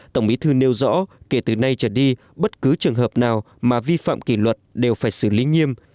tổng bí thư nêu rõ kể từ nay trở đi bất cứ trường hợp nào mà vi phạm kỷ luật đều phải xử lý nghiêm